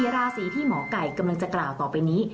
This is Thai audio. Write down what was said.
ราศีที่หมอไก่กำลังจะกล่าวต่อไปนี้